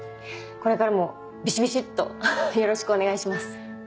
これからもビシビシっとよろしくお願いします。